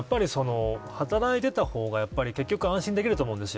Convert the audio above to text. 働いていた方が結局、安心できると思います。